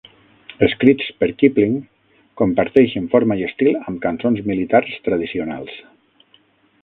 Escrits per Kipling, comparteixen forma i estil amb cançons militars tradicionals.